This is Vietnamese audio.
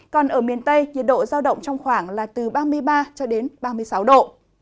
còn ở miền tây nhiệt độ giao động trong khoảng là từ ba mươi ba ba mươi sáu độ